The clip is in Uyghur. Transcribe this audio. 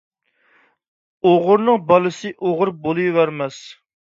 ئوغرىنىڭ بالىسى ئوغرى بولۇۋەرمەس.